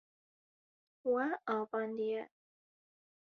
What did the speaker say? We avandiye.